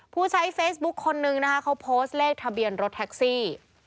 ผู้ใช้เฟซบุ๊คคนนึงนะคะเขาโพสต์เลขทะเบียนรถแท็กซี่